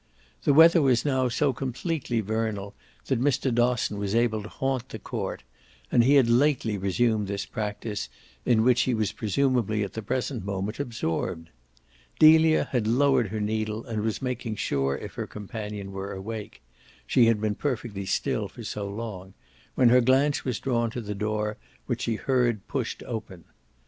The weather was now so completely vernal that Mr. Dosson was able to haunt the court, and he had lately resumed this practice, in which he was presumably at the present moment absorbed. Delia had lowered her needle and was making sure if her companion were awake she had been perfectly still for so long when her glance was drawn to the door, which she heard pushed open. Mr.